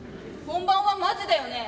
本番はマジだよね。